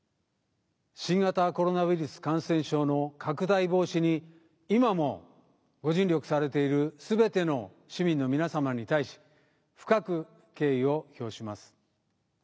新型コロナウイルス感染症の拡大防止に今もご尽力されている全ての市民の皆様に対し深く敬意を表します。